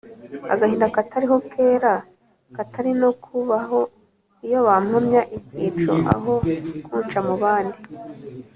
Agahinda Katariho kera Katari no kubaho Iyo bampamya icyico Aho kunca mu bandi?!